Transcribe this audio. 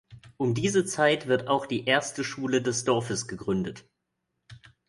Um diese Zeit wird auch die erste Schule des Dorfes gegründet.